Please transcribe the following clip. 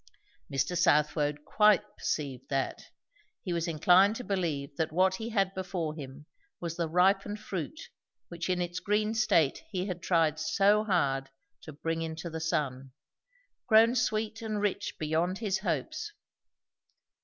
Mr. Southwode quite perceived that. He was inclined to believe that what he had before him was the ripened fruit which in its green state he had tried so hard to bring into the sun; grown sweet and rich beyond his hopes.